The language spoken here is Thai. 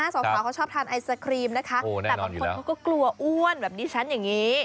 สาวเขาชอบทานไอศครีมนะคะแต่บางคนเขาก็กลัวอ้วนแบบนี้ฉันอย่างนี้